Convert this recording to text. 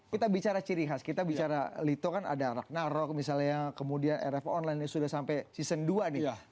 kita bicara ciri khas kita bicara lito kan ada ragnarok misalnya kemudian rf online ini sudah sampai season dua nih